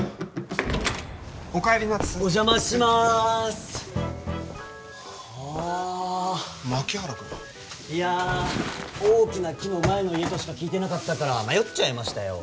お帰りなお邪魔しますはあ牧原君いや大きな木の前の家としか聞いてなかったから迷っちゃいましたよ